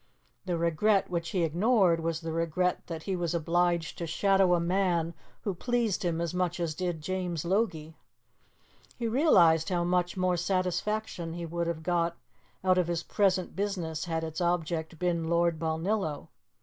The regret which he ignored was the regret that he was obliged to shadow a man who pleased him as much as did James Logie. He realized how much more satisfaction he would have got out of his present business had its object been Lord Balnillo.